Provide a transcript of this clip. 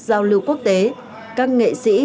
giao lưu quốc tế các nghệ sĩ